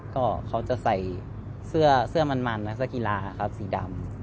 ก็เขาจะใส่เสื้อสื่อมันราซากีฬาค่ะสีดำ